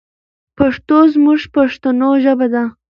پښتو زموږ پښتنو ژبه ده.